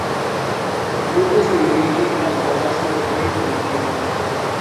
El grupo se dirige al palacio del Rey de la Tierra.